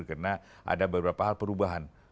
karena ada beberapa hal perubahan